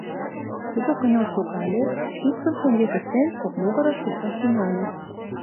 Тудо кынел шогале, кидшым шеҥгек ыштен, кок могырыш кошташ тӱҥале.